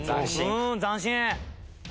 うん斬新！